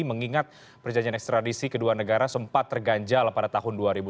mengingat perjanjian ekstradisi kedua negara sempat terganjal pada tahun dua ribu tujuh belas